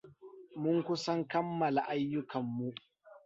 Mun kusan kammala ayyukan yau.